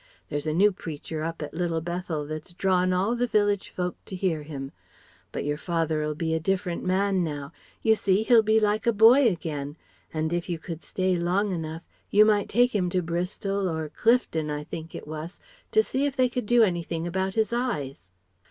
There's a new preacher up at Little Bethel that's drawn all the village folk to hear him. But your father'll be a different man now you see, he'll be like a boy again. And if you could stay long enough, you might take him to Bristol or Clifton I think it wass to see if they could do anything about his eyes....